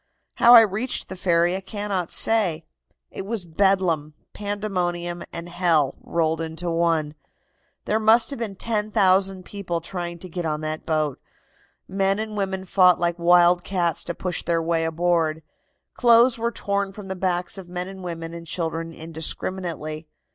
"How I reached the ferry I cannot say. It was bedlam, pandemonium and hell rolled into one. There must have been 10,000 people trying to get on that boat. Men and women fought like wild cats to push their way aboard. Clothes were torn from the backs of men and women and children indiscriminately.